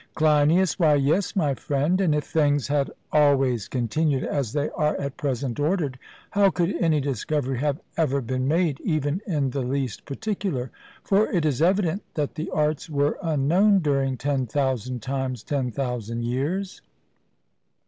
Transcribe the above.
CLEINIAS: Why, yes, my friend; and if things had always continued as they are at present ordered, how could any discovery have ever been made even in the least particular? For it is evident that the arts were unknown during ten thousand times ten thousand years.